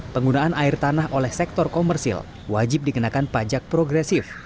penggunaan air tanah oleh sektor komersil wajib dikenakan pajak progresif